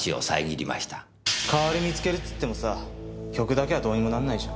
代わり見つけるつってもさ曲だけはどうにもなんないじゃん。